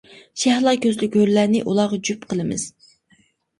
شەھلا كۆزلۈك ھۆرلەرنى ئۇلارغا جۈپ قىلىمىز.